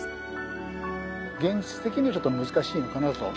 現実的にちょっと難しいのかなと。